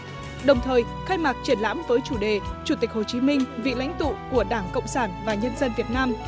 trong thời khai mạc triển lãm với chủ đề chủ tịch hồ chí minh vị lãnh tụ của đảng cộng sản và nhân dân việt nam